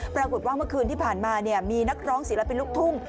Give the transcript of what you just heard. ปรากฏว่าเมื่อคืนที่ผ่านมามีนักร้องศิลปินลูกทุ่ง